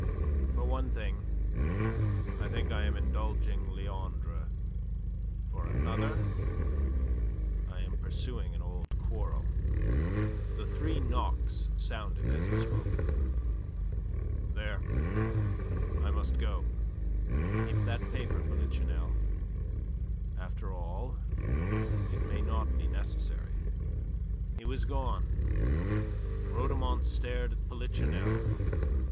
"For one thing I think I am indulging Leandre; for another I am pursuing an old quarrel." The three knocks sounded as he spoke. "There, I must go. Keep that paper, Polichinelle. After all, it may not be necessary." He was gone. Rhodomont stared at Polichinelle.